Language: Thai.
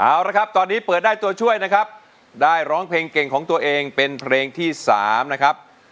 เอาละครับตอนนี้เปิดได้ตัวช่วยนะครับได้ร้องเพลงเก่งของตัวเองเป็นเพลงที่๓นะครับ